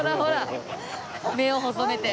目を細めて。